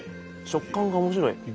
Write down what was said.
食感が面白い！